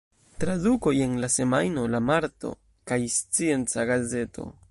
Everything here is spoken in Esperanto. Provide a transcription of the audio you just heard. Tradukoj en "La Semajno", "La Marto" kaj "Scienca Gazeto".